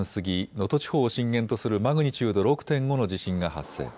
能登地方を震源とするマグニチュード６．５の地震が発生。